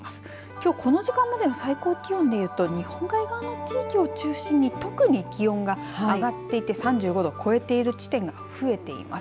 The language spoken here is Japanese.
きょうこの時間までの最高気温でいうと日本海側の地域を中心に特に気温が上がっていて３５度を超えている地点が増えています。